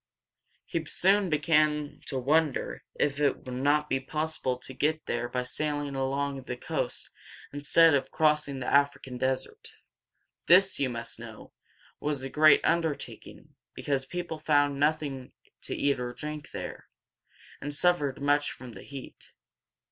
He soon began to wonder if it would not be possible to get there by sailing along the coast instead of crossing the African desert. This, you must know, was a great undertaking, because people found nothing to eat or drink there, and suffered much from the heat.